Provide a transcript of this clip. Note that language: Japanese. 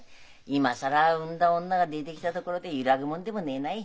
今更産んだ女が出てきたところで揺らぐもんでもねえない。